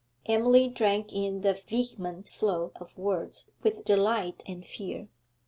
Emily drank in the vehement flow of words with delight and fear.